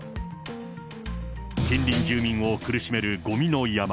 近隣住民を苦しめるごみの山。